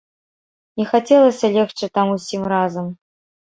Не хацелася легчы там усім разам.